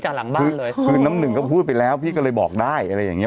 หลังบ้านเลยคือน้ำหนึ่งก็พูดไปแล้วพี่ก็เลยบอกได้อะไรอย่างเง